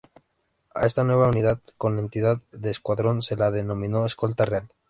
A esta nueva unidad, con entidad de Escuadrón, se la denominó Escolta Real.